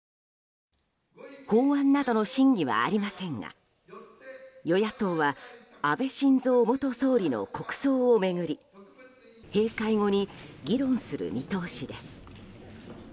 法案などの審議はありませんが与野党は、安倍晋三元総理の国葬を巡り、閉会後に議論する見通しです。